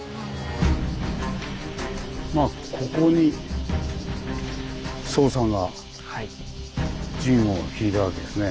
まあここに宗さんが陣をひいたわけですね。